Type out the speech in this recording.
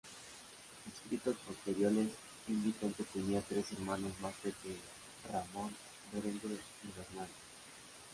Escritos posteriores indican que tenía tres hermanos más pequeños: Ramón, Berenguer y Bernardo.